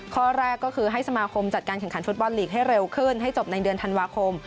ข้อแรกก็คือให้สมาคมจัดการแข่งขันฟุตบอลลีกให้เร็วขึ้นให้จบในเดือนธันวาคม